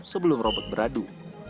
sebelum robot beradu